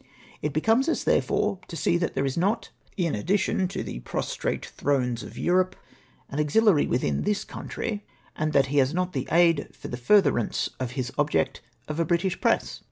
It becomes us, therefore, to see that there is not, in addition to the prostrate thrones of Europe, an auxiliary within this country, and that he has not the aid for the fur therance of his object of a British 'press.''